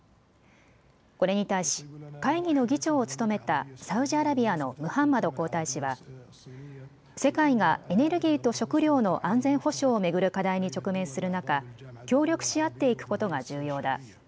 これに対し会議の議長を務めたサウジアラビアのムハンマド皇太子は世界がエネルギーと食料の安全保障を巡る課題に直面する中、協力し合っていくことが重要だ。